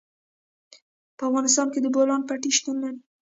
په افغانستان کې د بولان پټي شتون لري.